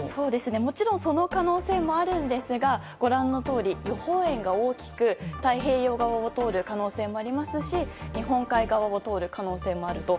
もちろんその可能性もあるんですがご覧のとおり予報円が大きく太平洋側を通る可能性もありますし日本海側を通る可能性もあると。